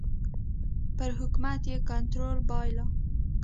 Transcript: پر حکومت یې کنټرول بایله.